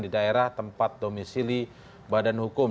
di daerah tempat domisili badan hukum